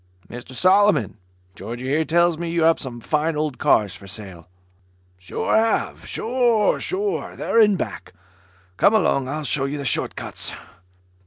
"Mr Solomon, Georgie here tells me you have some fine old cars for sale?" "Sure have. Sure have. They're in back. Come along. I'll show you the short cuts."